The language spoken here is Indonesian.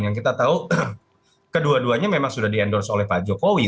yang kita tahu kedua duanya memang sudah di endorse oleh pak jokowi